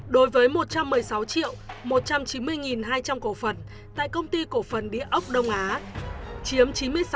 đối với một trăm một mươi sáu một trăm chín mươi hai trăm linh cổ phần tại công ty cổ phần đĩa ốc đông á chiếm chín mươi sáu tám mươi bốn